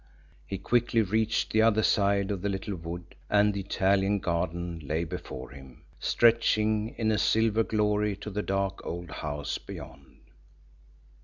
He quickly reached the other side of the little wood, and the Italian garden lay before him, stretching in silver glory to the dark old house beyond.